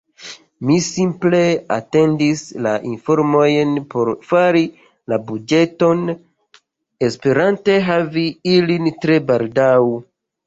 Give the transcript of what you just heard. Mi simple atendadis la informojn por fari la buĝeton, esperante havi ilin tre baldaŭ.